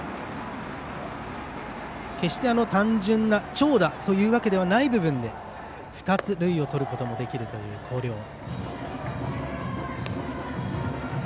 決して単純な長打というわけではない部分で２つ、塁をとることもできるという広陵。